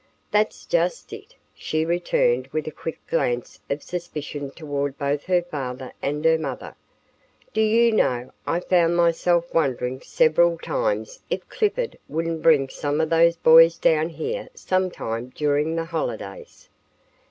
"That's just it," she returned with a quick glance of suspicion toward both her father and her mother. "Do you know, I found myself wondering several times if Clifford wouldn't bring some of those boys down here some time during the holidays."